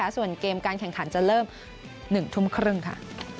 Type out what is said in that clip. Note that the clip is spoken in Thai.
ส่วนเกมการแข่งขันจะเริ่ม๑ทุ่มครึ่งค่ะ